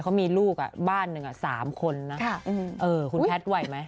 เขามีลูกอ่ะบ้านหนึ่งอ่ะสามคนนะค่ะเออคุณแพทย์ไหวไหม